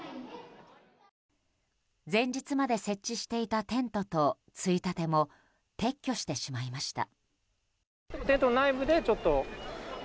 前日まで設置していたテントとついたても撤去してしまいました。